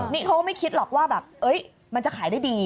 นี่เขาก็ไม่คิดหรอกว่าแบบมันจะขายได้ดี